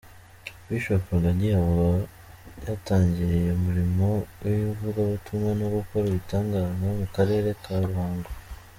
Bishop Rugagi avuga yatangiriye umurimo w’ ivugabutumwa no gukora ibitangaza mu karere ka Ruhango.